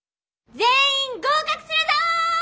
全員合格するぞ！